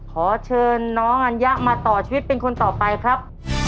ขอเชิญน้องอัญญะมาต่อชีวิตเป็นคนต่อไปครับ